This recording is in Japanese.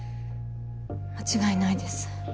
間違いないです